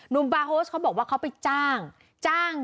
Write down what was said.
นุมบาร์โฮสเขาบอกว่าเขาไปจ้าง